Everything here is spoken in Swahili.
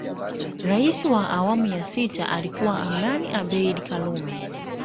Rais wa awamu sita alikuwa Aman Abeid karume